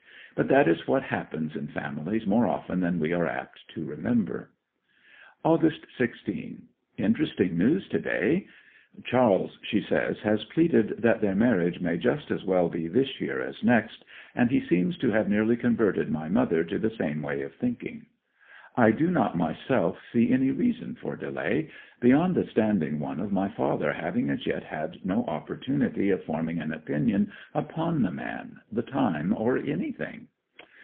But that is what happens in families more often than we are apt to remember. August 16. Interesting news to day. Charles, she says, has pleaded that their marriage may just as well be this year as next; and he seems to have nearly converted my mother to the same way of thinking. I do not myself see any reason for delay, beyond the standing one of my father having as yet had no opportunity of forming an opinion upon the man, the time, or anything.